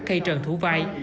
khay trần thủ vai